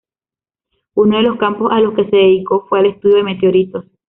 Uno de los campos a los que se dedicó fue al estudio de meteoritos.